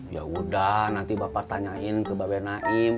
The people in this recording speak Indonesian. ya udah nanti bapak tanyain ke bape naim